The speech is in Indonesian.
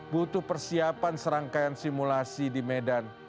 butuh persiapan serangkaian simulasi di medan